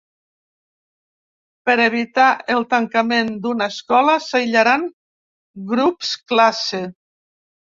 Per evitar el tancament d’una escola s’aïllaran grups-classe.